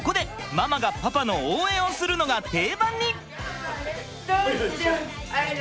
ママがパパの応援をするのが定番に！